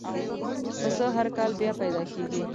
پسه هر کال بیا پیدا کېږي.